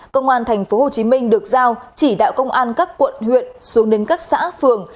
công an tp hcm được giao chỉ đạo công an các quận huyện xuống đến các xã phường